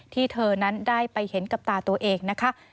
ที่เธอนั้นได้ไปเห็นกับตาตัวเองนะคะ